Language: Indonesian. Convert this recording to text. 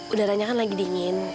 udaranya kan lagi dingin